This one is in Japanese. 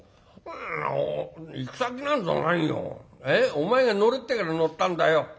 お前が『乗れ』ってから乗ったんだよ」。